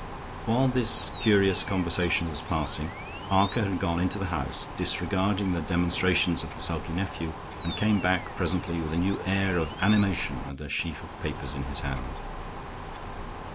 While this curious conversation was passing, Harker had gone into the house, disregarding the demonstrations of the sulky nephew, and came back presently with a new air of animation and a sheaf of papers in his hand.